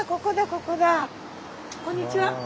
こんにちは。